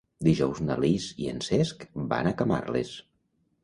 Dijous na Lis i en Cesc van a Camarles.